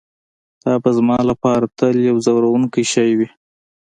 دا به زما لپاره تل یو ځورونکی شی وي